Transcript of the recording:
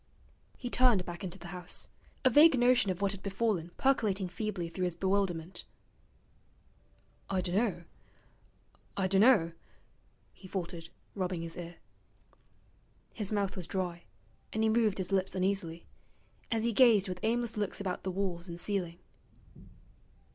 He turned back into the house, a vague notion of what had befallen percolating feebly through his bewilderment. 'I dunno I dunno,' he faltered, rubbing his ear. His mouth was dry, and he moved his lips uneasily, as he gazed with aimless looks about the walls and ceiling.